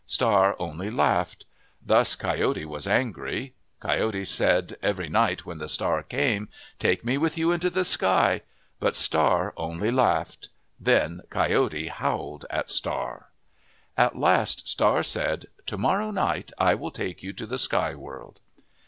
Star only laughed. Thus Coyote was angry. Coyote said every night when Star came, " Take me with you into the sky." But Star only laughed. Then Coyote howled at Star. At last Star said, " To morrow night I will take you to the sky world."